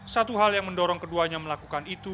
satu hal yang mendorong keduanya melakukan itu